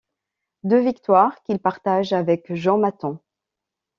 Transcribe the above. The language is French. Deux victoires qu'il partage avec Jean Matton.